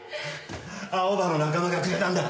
アオバの仲間がくれたんだ。